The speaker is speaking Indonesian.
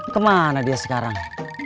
kemana dia sekarang